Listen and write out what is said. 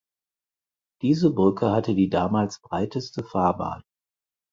Diese Brücke hatte die damals breiteste Fahrbahn.